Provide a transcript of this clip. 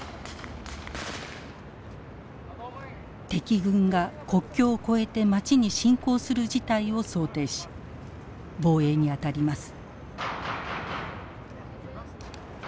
敵軍が国境を越えて街に侵攻する事態を想定し防衛に当たります。